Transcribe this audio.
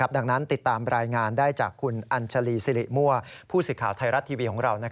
ดังนั้นติดตามรายงานได้จากคุณอัญชาลีสิริมั่วผู้สื่อข่าวไทยรัฐทีวีของเรา